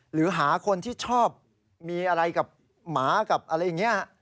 หรือหาคนที่ชอบมีอะไรกับหมากับอะไรอย่างนี้